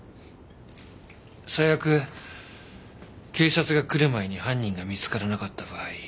最悪警察が来る前に犯人が見つからなかった場合。